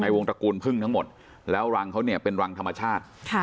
วงตระกูลพึ่งทั้งหมดแล้วรังเขาเนี่ยเป็นรังธรรมชาติ